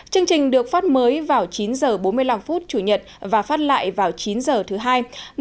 chương trình được phát mới vào chín giờ bốn mươi năm phút chủ nhật và phát lại vào chín giờ thứ hai